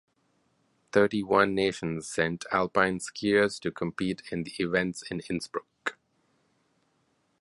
Thirty-one nations sent alpine skiers to compete in the events in Innsbruck.